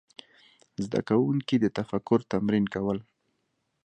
زده کوونکي د تفکر تمرین کول.